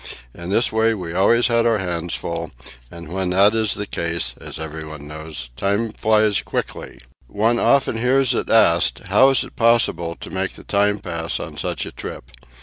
In this way we always had our hands full, and when that is the case, as everyone knows, time flies quickly. One often hears it asked, How is it possible to make the time pass on such a trip?